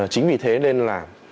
chính vì thế nên là